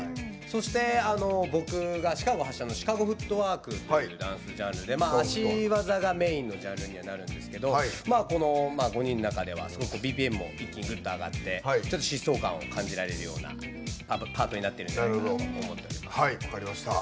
僕がシカゴフットワークっていうダンスジャンルで足技がメインのジャンルにはなるんですけどこの５人の中ではすごくＢＰＭもぐっと上がって疾走感を感じられるようなパートになっていると思います。